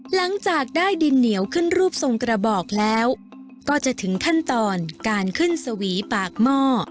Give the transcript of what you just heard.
หลังจากได้ดินเหนียวขึ้นรูปทรงกระบอกแล้วก็จะถึงขั้นตอนการขึ้นสวีปากหม้อ